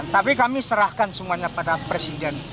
tapi kami serahkan semuanya pada presiden